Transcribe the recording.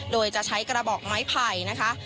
โดยจะใช้กระบอกไม้ไผ่นะคะ